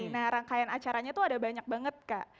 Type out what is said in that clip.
nah rangkaian acaranya tuh ada banyak banget kak